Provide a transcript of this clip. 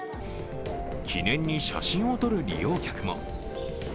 記念に写真を撮る利用客も。